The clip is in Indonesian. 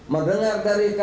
mendengar dari kadirat